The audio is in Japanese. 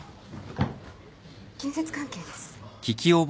あっ建設関係です